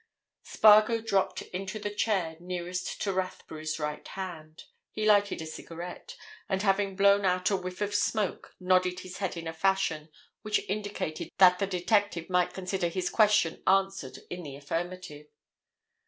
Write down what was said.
Spargo dropped into the chair nearest to Rathbury's right hand. He lighted a cigarette, and having blown out a whiff of smoke, nodded his head in a fashion which indicated that the detective might consider his question answered in the affirmative.